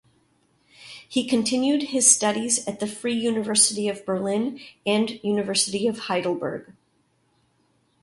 He continued his studies at the Free University of Berlin and University of Heidelberg.